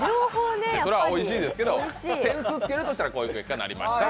おいしいですけど、点数をつけるとしたらこんな結果になりました。